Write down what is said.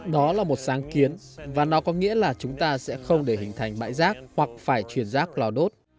đó là một sáng kiến và nó có nghĩa là chúng ta sẽ không để hình thành bãi rác hoặc phải chuyển rác lò đốt